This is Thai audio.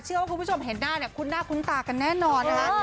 คุณผู้ชมเห็นหน้าเนี่ยคุ้นหน้าคุ้นตากันแน่นอนนะคะ